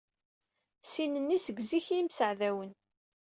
Sin-nni seg zik ay mseɛdawen.